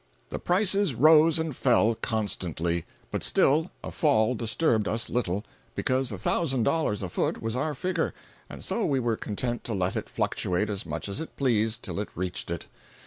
The prices rose and fell constantly; but still a fall disturbed us little, because a thousand dollars a foot was our figure, and so we were content to let it fluctuate as much as it pleased till it reached it.